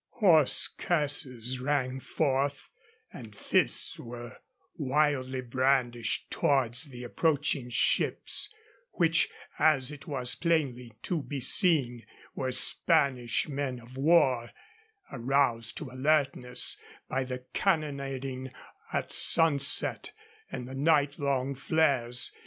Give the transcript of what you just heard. Hoarse curses rang forth, and fists were wildly brandished towards the approaching ships, which, as it was plainly to be seen, were Spanish men of war, aroused to alertness by the cannonading at sunset and the night long flares.